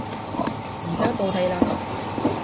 而家到你嘞